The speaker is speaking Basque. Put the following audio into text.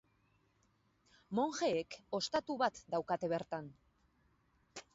Monjeek ostatu bat daukate bertan.